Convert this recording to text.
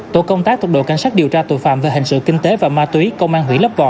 tổ công tác thuộc đội cảnh sát điều tra tội phạm về hình sự kinh tế và ma túy công an huyện lấp vò